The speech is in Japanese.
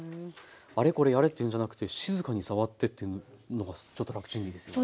あれこれやれっていうんじゃなくて静かに触ってっていうのがちょっと楽ちんでいいですよね。